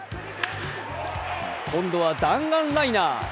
今度は弾丸ライナー。